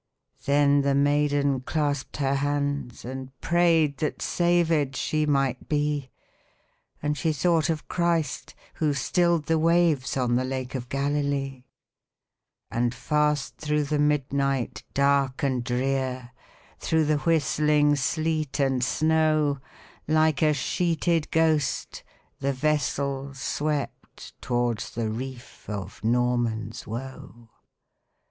Then the maiden clasped her hands and prayed That savèd she might be; And she thought of Christ, who stilled the waves On the Lake of Galilee. And fast through the midnight dark and drear, Through the whistling sleet and snow, Like a sheeted ghost, the vessel swept Towards the reef of Norman's Woe.